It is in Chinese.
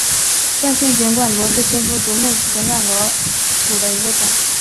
断线卷管螺是新腹足目卷管螺科卷管螺属的一个种。